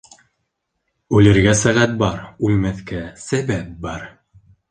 Үлергә сәғәт бар, үлмәҫкә сәбәп бар.